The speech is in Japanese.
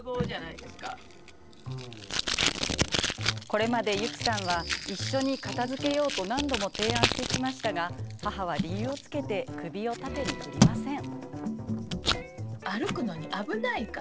これまで、ゆきさんは一緒に片づけようと何度も提案してきましたが母は理由をつけて首を縦に振りません。